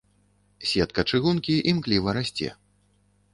Сетка чыгункі імкліва расце.